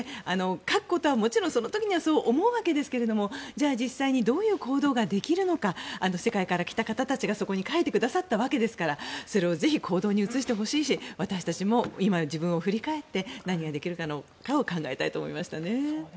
書くことはもちろんその時にはそう思うわけですが実際にどういう行動ができるのか世界から来た方たちがそこに書いてくださったわけですからそれをぜひ行動に移してほしいし私たちも今、自分を振り返って何ができるかを考えたいなと思いますね。